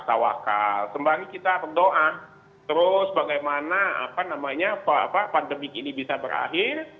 tawakal sembari kita berdoa terus bagaimana pandemik ini bisa berakhir